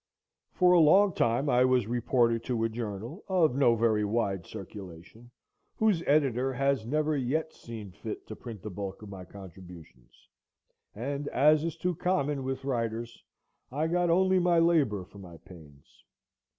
For a long time I was reporter to a journal, of no very wide circulation, whose editor has never yet seen fit to print the bulk of my contributions, and, as is too common with writers, I got only my labor for my pains.